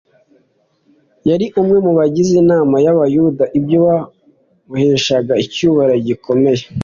Yari umwe mu bagize inama y'abayuda, ibyo byamuheshaga icyubahiro gikomeye;